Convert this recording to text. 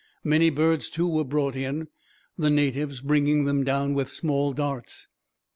Many birds, too, were brought in, the natives bringing them down with small darts.